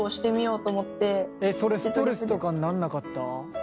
それストレスとかになんなかった？